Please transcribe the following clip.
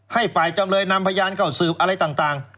ให้ฝ่ายจำเลยนำพยานเข้าสืบอะไรต่าง